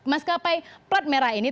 maskapai plot merah ini